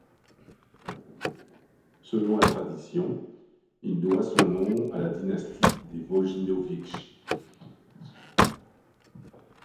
Selon la tradition, il doit son nom à la dynastie des Vojinović.